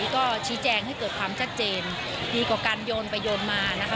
ก็ชี้แจงให้เกิดความชัดเจนดีกว่าการโยนไปโยนมานะคะ